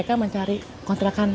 ya terus patrick ya tvb